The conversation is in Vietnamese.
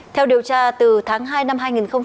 theo điều tra từ tháng hai năm hai nghìn hai mươi